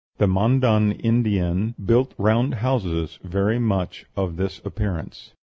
The Mandan Indians built round houses very much of this appearance.